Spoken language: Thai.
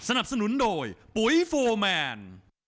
สนับสนุนโดยปุ๋ยโฟร์แมน